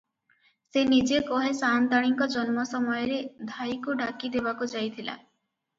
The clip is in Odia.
ସେ ନିଜେ କହେ ସାଆନ୍ତାଣୀଙ୍କ ଜନ୍ମସମୟରେ ଧାଈକୁ ଡାକିଦେବାକୁ ଯାଇଥିଲା ।